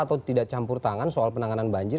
atau tidak campur tangan soal penanganan banjir